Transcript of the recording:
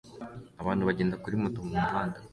Abantu bagenda kuri moto mumuhanda